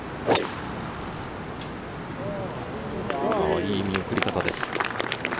いい見送り方です。